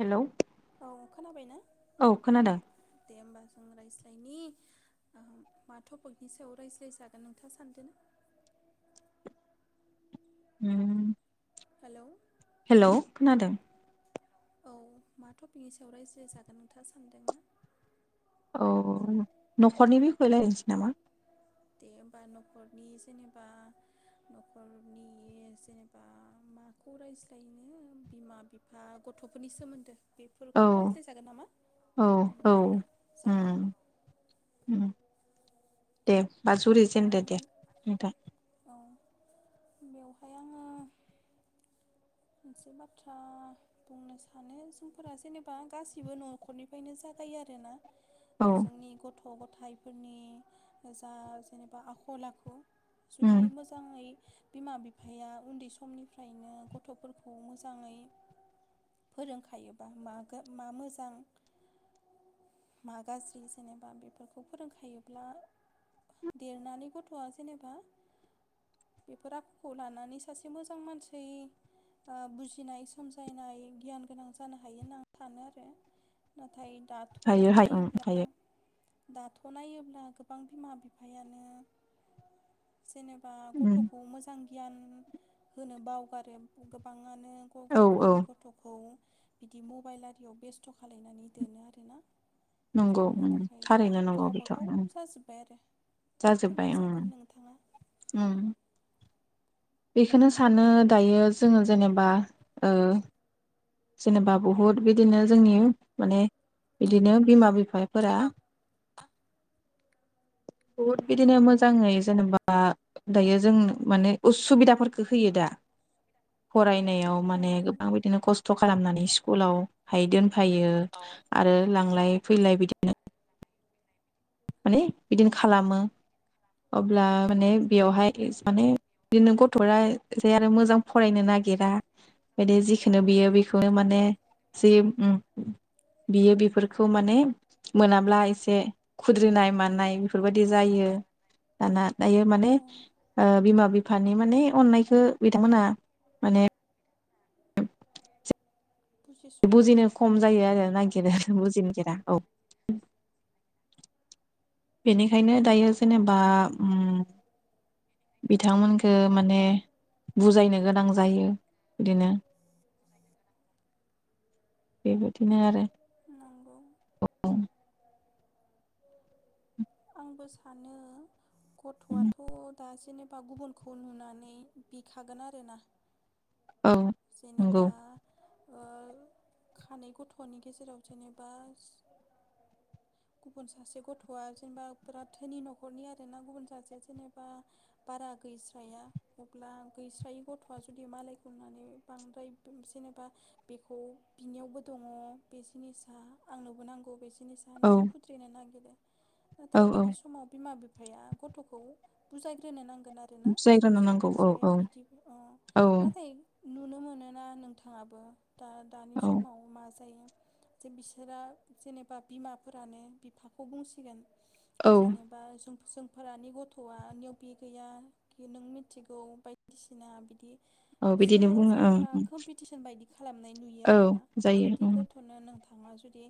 Hello औ खोनाबाय ना औ खोनादों दे होमबा जों रायज्ला नि मा टपिकनि सायाव रायज्लाय जागोन नोंथाङा सानदों? ओम हेलौ खोनादों औ माटपिकनि सायाव रायज्लाय जागोन नोंथाङा सानदों ना औ न'खरनि बिखय रायज्लायनोसै नामा दे होमबा न'खरनि जेनेबा न'खरनि जेनेबा माखौ रायज्लायनो बिमा बिफा गथ'फोरनि सोमोन्दो औ बेफोरखौ रायज्लायजागोन नामा औ औ जायो उम उम दे बा जुरि जेनदो दे नों नोंथां औ बेवहाय आङो मोनसे बाथ्रा बुंनो सानो जोंफोरा जेनेबा गासिबो न'खरनिफ्रायनो जागायो आरोना औ जोंनि गथ' गथ' गथायाइफोरनि जा जेनेबा आखल आखु जुदि उम मोजाङै बिमा बिफाया उन्दै समनिफ्रायनो ग थ'फोरखौ मोजाङै फोरोंखायोबा बा मा मोजां मा गाज्रि जेनेबा बेफोरखौ फोरोंखायोब्ला देरनानै गथ'आ जेनेबा बेफोर आखुखौ लानानै सासे मोजां मानसै आ बुजिनाय सोमजायनाय गियान गोनां जानो हायो होननानै आं सानो आरो नाथाय दाथ' हायो हायो उम नायोब्ला हायो दाथ' नायोब्ला गोबां बिमा बिफायानो जेनेबा उम गथ'खौ मोजां गियान होनो बावगारो गोबां मानो औ गावबा औ गावनि गथ'खौ बिदि मबाइल आरियाव बेस्थ' खालायनानै दोनो आरोना नंगौ जायनि उम थाखाय दा थारैनो गावबागाव जाजोब्बाय आरो जाजोबबाय फोरमायजागोन नोंथाङा उम बेखौनो सानो दायो जोङो जेनेबा जेनेबा बहुद बिदिनो जोंनि माने बिदिनो बिमा बिफाफोरा बिमा बहुद बिदिनो मोजाङै जेनेबा दायो जों माने उसुबिदाफोरखौ होयो दा फरायनो नायाव माने नंगौ गोबां बिदिनो खस्थ' खालामनानै स्कुलाव हाय दोन फायो आरो लांलाय फैलाय बिदिनो। माने बिदिनो खालामो अब्ला माने बेवहाय माने बिदिनो गथ'आ जे आरो मोजां फरायनो नागिरा बिदि जिखोनो बियो बे बिखौनो माने नंगौ जि बियो बेफोरखौ माने मोनाब्ला एसे खुद्रिनाय मानाय बेफोरबायदि जायो दाना। दायो माने औ ओ बिमा बिफ बिफानि माने अननायखौ बिथांमोना माने बुजिस' हाया बुजिनो खम जायो आरो ना [unintelligible] बेनिखायनो दायो जेनेबा उम बिथांमोनखो माने बुजायनो गोनां जायो बिदिनो बेबायदिनो आरो। नंगौ। औ आंबो सानो गथ'आथ' दा जेनेबा गुबुनखौ नुनानै बिखागोन आरोना? औ जेनेबा नंगौ ओ खानै गथ'नि गेजेराव जेनेबा गुबुन सासे गथ'आ जेनेबा बिराथ धोनि न'खरनि आर ना गुबुन सासेया जेनेबा बारा गैस्राया अब्ला गैस्रायै गथ'आ जुदि मालायखौ नुनानै बांद्राय जेनेबा बेखौ बिनियावबो दङ बे जिनिसा आंनोबो नांगौ बे जिनिसा औ होननानै खुद्रिनो नागिरो नाथाय औौ औ बिदि समाव बिमा बिफ बिफाया गथ'खौ बुजायग्रोनो नां गोन आरोना बुजायग्रोनो नांगौ साबसिनै औ जे औ बिदि ओ औ नाथाय नुनो मोनोना नोंथाङाबो दा दानि औ समाव मा जायो जे बिसोरा जेनेबा बिमाफोरानो बिफाखौ बुंसिगोन औ जेनेबा जों जोंफोरानि गथवा नैबे गैया नों मिथिगौ बायदिसिना बिदि औ बिसो बिदिनो बुङो ओं जेनेबा कम्पिटिसन बायदि खालामनाय नुयो औ आरोना जायो जुदि ओं गथ'नो नों थांङा जुदि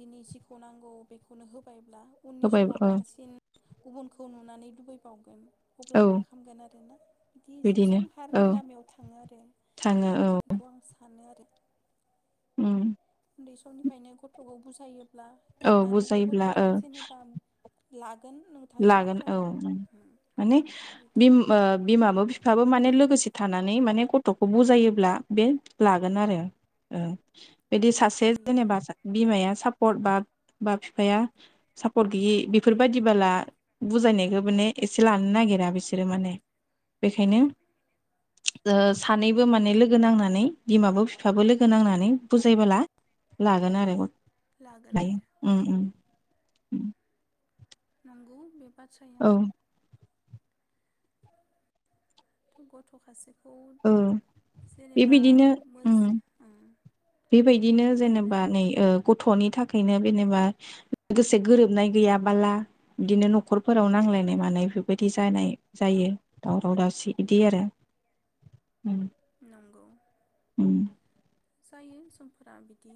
दिनै जिखौ नांगौ बेखौनो होबाय ब्ला उननि होबाय समाव औ बांसिन गुबुनखौ नुनानै लुबैबावगोन। अब्ला औ मा खालामगोन आरोना बिदि एसे बिदिनो औ संसारनि लामायाव थां थाङो औ सानो आरो उम उन्दै समनिफ्रायनो गथ'खौ बुजायो ब्ला औ देरनानैबो बुजायोब्ला गथ'आ ओ जेनेबा ला लागोन औ माने बिदि बिम ओ बिमाबो फिफाबो माने लोगोसे थानानै माने गथ'खौ बुजायोब्ला बे लागोन आरो ओ बिदि सासे थारैनो जेनेबा सा बिमाया सापर्ट बा बा फिफाया सापर्ट गैयि बेफोरबायदिबाला बुजायनायखौ माने एसे लानो नागिरा बिसोरो माने औ बेखायनो ओ सानैबो माने लोगो नांनानै बिमाबो फिफाबो लोगो नांनानै बुजायबोला लागोन आरो। लागोन लायो आरो उम उम उम नंगौ बे बाथ्राया गथ' खासे बेखौ औ जेनेबा बेबायदिनो उम मोज बेबायदिनो बिदिनो जेनेबा नै ओ ग' थ'नि थाखायनो जेनेबा लोगोसे गोरोबनाय गैयाबाला बिदिनो न'खरफोराव नांलायनाय मानाय बेफोरबायदि जानाय जायो दावराव दावसि बिदि आरो। नंगौ। उम जायो समफोरा बिदि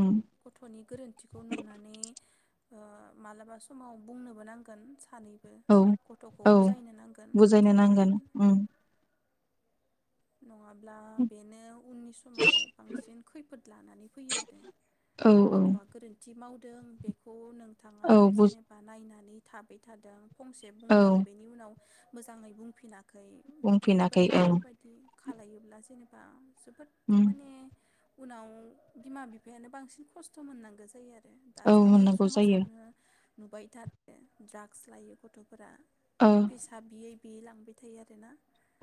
उम गथ'नि गोरोन्थिखौ नुनानै ओ मालाबा समाव बुंनोबो नांगोन सानै औ औ बुजायनो खाथियाव नांगोन लानानै उम नङाब्ला बेनो उननि समाव बांसिन खैफोद लानानै फैयो आरो औ औ गथ'आ गोरोन्थि माव दों बेखौ नों थाङा औ बुज जेनेबा नायनानै थाबाय थादों फंसे औ बुंदों बेनि उनाव मोजाङै बुंफिना खै बिदि बाय बुंफिनाखै औ बेफोरबायदि खालायोब्ला जेनेबा जोबोद उम माने उनाव बिमा बिफायानो बांसिन खस्थ' मोननांगौ जायो आरो। दा औ जोंनि होननांगौ जायो समाजावनो नुबाय थादो ड्राग्स लायो गथ'फोरा औ फेसा बियै बियै लांबाय थायो आरोना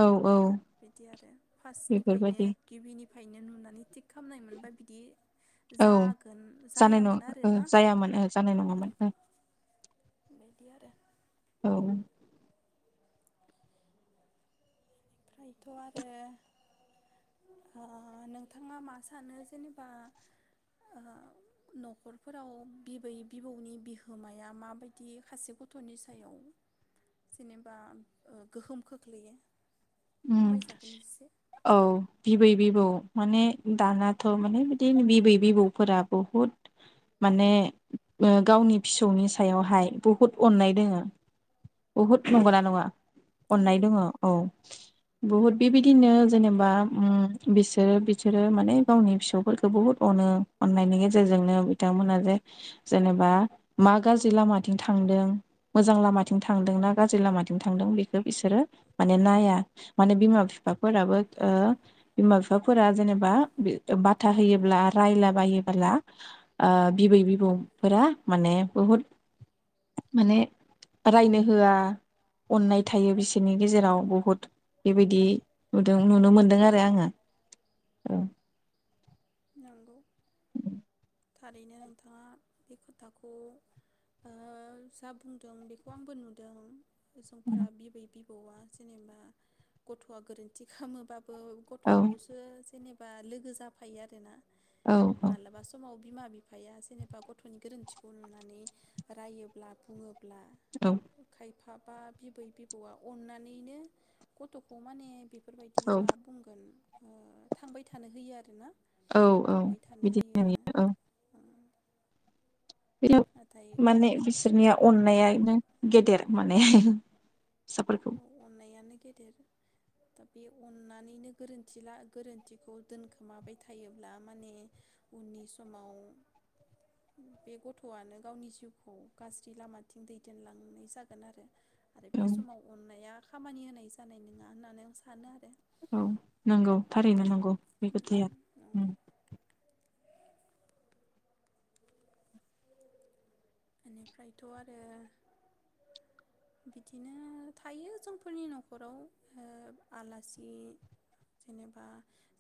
औ-औ बिदि आरो फासनिफ्रायनो गिबिनि फायनो नुनानै थिग खामनाय मोनबा बिदि औ जागोन जानाय नङा जायामोन ओ आरोना जायामोन ओ जानाय नङामोन ओ बेबायदि आरो औ ओमफ्रायथ' आरो ओ नोंथाङा मा सानो जेनेबा ओ न'खरफोराव बिबै बिबौनि बिहोमाया माबायदि खासे गथ'नि सायाव जेनेबा गोहोम खोख्लैयो उम फोरमायजागोन एसे औ बिबै बिबौ माने दानाथ' माने बिदिनो बिबै बिबौफोरा बुहुद माने ओ गावनि फिसौनि सायावहाय बुहुद अननाय दोङो बुहुद नंगौना नङा अननाय नंगौ दङ औ बुहुद बिबायदिनो जेनेबा उम बिसोरो बिसोरो माने गावनि फिसौफोरखौ बुहुत अनो अननायनि गेजेरजोंनो बिथांमोना जे जेनेबा मा गाज्रि लामाथिं थांदों मोजां लामाथिं थांदों ना गाज्रि लामाथिं थांदों बेखौ बिसोरो माने नाया माने बिमा बिफाफोराबो ओ बिमा बिफाफोरा जेनेबा बाथा होयोब्ला रायलाबायोबोला ओ बिबै बिबौफोरा माने बुहुद माने रायनो होआ अननाय थायो बिसोरनि गेजेराव बुहुद बेबायदि नुदों नुनो मोनदों आरो आङो औ नोंगौ थारैनो नोंथाङा बे खोथाखौ ओ जा बुंदों बेखौ आंबो नुदों जोंफोरा बिबै बि बौआ जेनेबा गथ'आ गोरोन्थि खामोबाबो बो औ गथ'खौसो जेनेबा बा लोगो जाफायो आरो आरोना औ औ मालाबा समाव बिमा बिफाया जेनेबा गथ'नि गोरोन्थिखौ नुनानै रायोब्ला बुङो ब्ला औ खाय फाबा बिबै बिबौआ अननानैनो गथ'खौ माने बेफोरबायदि औ मा बुंगोन थांबाय थानो होयो आरोना औ औ थांबाय थानो बिदिनो होयो नुयो औ उम बिनो माने बिसोरनिया अननायानो गेदेर माने फिसाफोरखौ अननायानो गेदेर दा बे अननानैनो गोरोन्थि ला गोरोन्थिखौ दोनखोमाबाय थायोब्ला माने उननि समाव बे गथ'आनो गावनि जिउखौ गाज्रि लामाथिं दैदेनलांनाय जागोन आरो आरो औ बे समाव अननाया खामानि होनाय जानाय नङा होननानै आं सानो आरो औ नंगौ थारैनो नंगौ बे खोथाया नंगौ बेनिफ्रायथ आरो बिदिनो थायो जोंफोरनि नखराव आलासि जेनेबा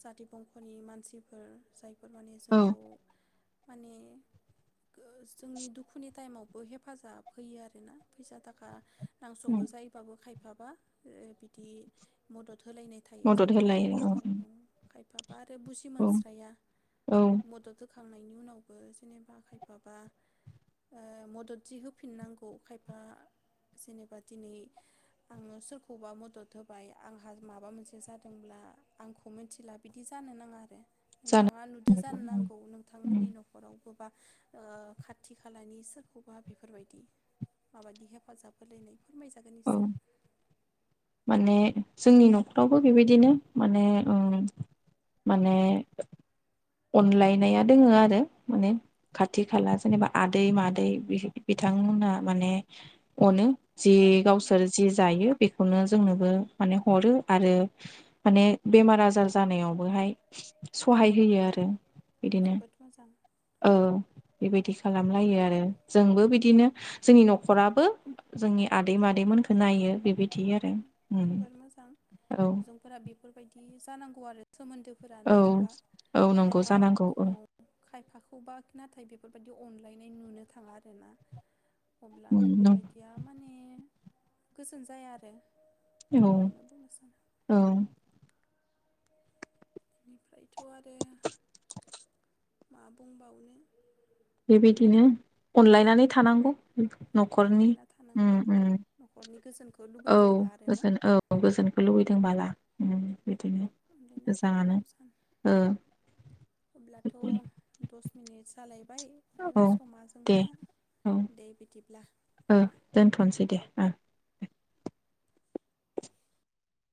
जाथि बंखनि मानसिफोर जाय [inaudible] माने औ जोंनि दुखु दुखुनि टाइमावबो हेफाजाब होयो आरोना फैसा थाखा नांसगौ जायोबाबो खायफा सोरहाबा बिदि मदद होलायनाय थायो मदद जोंफोरा होलायो औ नखराव खायफा बा आरो बुजि औ मोनस्राया औ मदद होखांनायनि उनावबो जेनेबा आखाय फाबा मदद जि होफिननांगौ खायफा जेनेबा दिनै आंङो सोरखौबा मदद होबाय आंहा माबा मोनसे जांदोंब्ला आंखौ मिथिला बिदि जानो नांङा आरो जानो नोंथांङा नुदों जानो नांगौ नोंथांमोननि न'खराव ओ खाथि खालानि खालानि सोरखौबा बेफोरबायदि माबायदि हेफाजाब होलायनाय फोरमायजागोन औ एसे माने जोंनि न'खरावबो बेबायदिनो माने ओ माने अनलायनाया दोङो आरो माने खाथि खाला जेनेबा आदै मादै बिथांमोनहा माने अनो जि गावसोर जि जायो बेखौनो जोंनोबो माने हरो आरो माने बेमार आजार जानायावबोहाय सहाय होयो आरो [unintelligible] बिदिनो जोबोद मोजां औ बेबायदि खालामलायो आरो जोंबो बिदिनो जोंनि नखराबो जोंनि आदै मादैमोनखो नायो बेबायदि आरो उम जोबोर मोजां औ जोंफोरा बेफोरबायदि जानांगौ आरो सोमोन्दोफोरा औ नंङा होमबा औ नंगौ खायफा जानांगौ औ खायफाखौ सोरखौबा नाथाय बेफोरबायाददि अनलायनाय नुनो थांङा आरोना अब्ला बेफोरबायदिया माने गोजोन जाया आरो बेखौनो बुंनो औ सानो औ बेनिफ्रायथ आरो मा बुंबावनो बेबायदिनो अनलायनानै थानांगौ नखरनि अनलायना थानांगौ ओम ओम न'खरनि गोजोनखौ औ लुबैदोब्ला आरोना गोजोन औ गोजोनखौ लुबैदों दोंबोला ओम [inaudible] [inaudible] ओ औ समा दे जोंना औ दे बिदिब्ला ओ दोनथ'नोसै दे ओ।